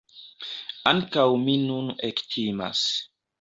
Ankaŭ mi nun ektimas.